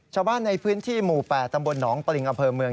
ชาวบ้านในพื้นที่หมู่๘ตำบลหนองปริงอำเภอเมือง